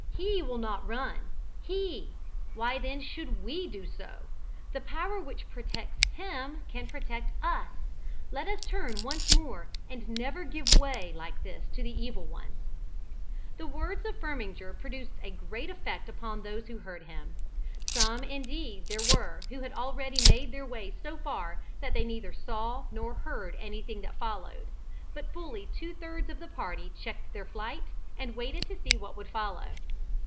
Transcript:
He will not run, he why then should we do so? The power which protects him can protect us. Let us turn once more, and never give way like this to the evil ones." The words of Firminger produced a great effect upon those who heard him. Some indeed there were who had already made their way so far that they neither saw nor heard anything that followed, but fully two thirds of the party checked their flight, and waited to see what would follow.